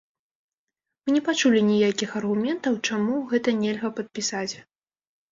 Мы не пачулі ніякіх аргументаў, чаму гэта нельга падпісаць.